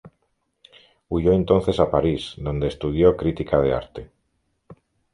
Huyó entonces a París, donde estudió crítica de arte.